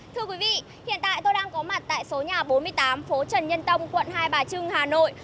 thưa quý vị hiện tại tôi đang có mặt tại số nhà bốn mươi tám phố trần nhân tông quận hai bà trưng hà nội